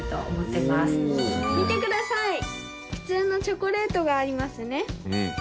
普通のチョコレートがありますね？